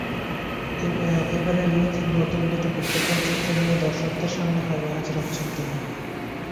এবারের ঈদে নতুন দুটি বিজ্ঞাপনচিত্র নিয়ে দর্শকদের সামনে হাজির হচ্ছেন তিনি।